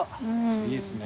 いいですね。